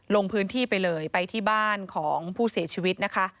ลงพื้นที่ไปเลยไปที่บ้านของผู้เสียชีวิตนะคะ